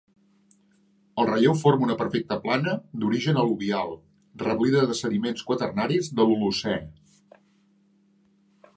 El relleu forma una perfecta plana d'origen al·luvial, reblida de sediments quaternaris de l'Holocé.